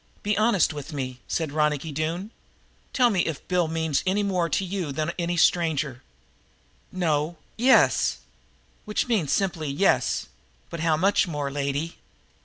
Be honest with me," said Ronicky Doone. "Tell me if Bill means anymore to you than any stranger?" "No yes." "Which means simply yes. But how much more, lady?"